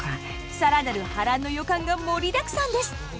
更なる波乱の予感が盛りだくさんです。